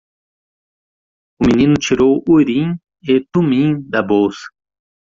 O menino tirou Urim e Tumim da bolsa.